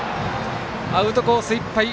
アウトコースいっぱい！